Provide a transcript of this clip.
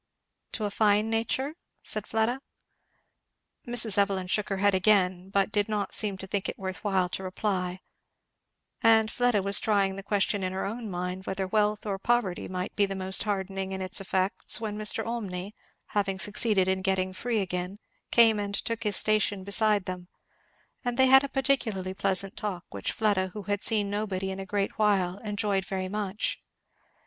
"To a fine nature?" said Fleda. Mrs. Evelyn shook her head again, but did not seem to think it worth while to reply; and Fleda was trying the question in her own mind whether wealth or poverty might be the most hardening in its effects; when Mr. Olmney having succeeded in getting free again came and took his station beside them; and they had a particularly pleasant talk, which Fleda who had seen nobody in a great while enjoyed very much.